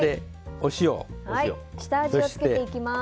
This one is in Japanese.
下味を付けていきます。